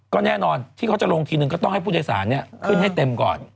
ก็แน่นอนที่เขาจะลงทีนึงก็ต้องให้ผู้โดยสารขึ้นให้เต็มก่อน